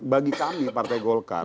bagi kami partai golkar